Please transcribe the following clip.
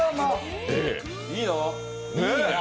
いいな。